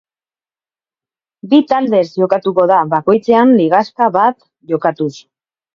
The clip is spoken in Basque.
Bi taldez jokatuko da bakoitzean ligaxka bat jokatuz.